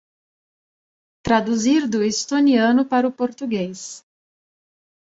Traduzir do estoniano para o português